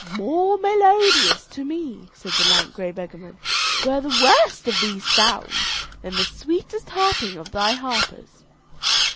"More melodious to me," said the lank grey beggarman, "were the worst of these sounds than the sweetest harping of thy harpers."